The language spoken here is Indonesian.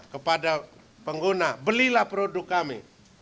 kepada pengguna belilah produk kami